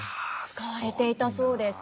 使われていたそうです。